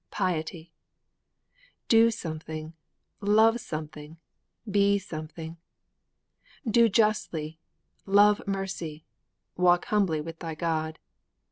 Piety!_ Do something! Love something! Be something! _Do justly! Love mercy! Walk humbly with thy God!